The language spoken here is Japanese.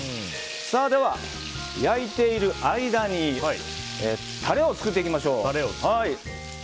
では、焼いている間にタレを作っていきましょう。